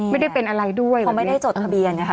ไม่ได้เป็นอะไรด้วยเหรอพี่เพราะไม่ได้จดทะเบียนนะคะ